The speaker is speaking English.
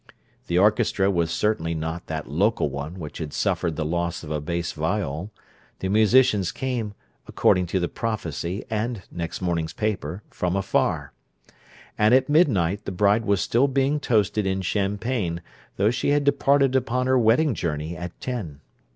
The orchestra was certainly not that local one which had suffered the loss of a bass viol; the musicians came, according to the prophecy and next morning's paper, from afar; and at midnight the bride was still being toasted in champagne, though she had departed upon her wedding journey at ten.